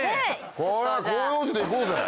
これは広葉樹でいこうぜ！